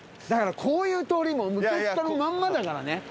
だからこういう通りも昔からまんまだからね。